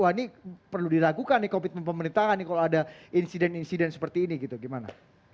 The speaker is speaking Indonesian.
wah ini perlu diragukan nih komitmen pemerintahan nih kalau ada insiden insiden seperti ini gitu gimana